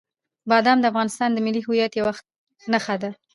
بادام د افغانستان د ملي هویت یوه نښه ده.